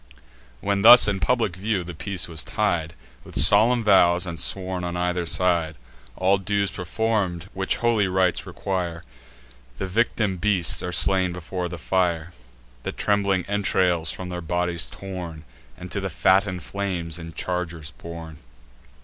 When thus in public view the peace was tied With solemn vows, and sworn on either side, All dues perform'd which holy rites require; The victim beasts are slain before the fire, The trembling entrails from their bodies torn, And to the fatten'd flames in chargers borne.